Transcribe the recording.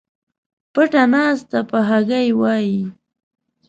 پټه ناسته په هګۍ وای